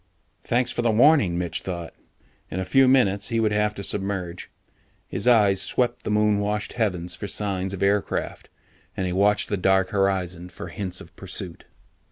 Thanks for the warning, Mitch thought. In a few minutes, he would have to submerge. His eyes swept the moon washed heavens for signs of aircraft, and he watched the dark horizon for hints of pursuit.